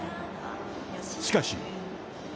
しかし。